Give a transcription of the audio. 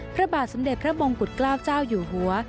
พระบาทสมเด็จพระมงกุฎเกล้าเจ้าอยู่หัว